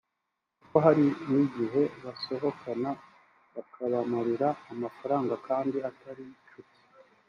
kuko hari n’igihe basohokana bakabamarira amafaranga kandi atari inshuti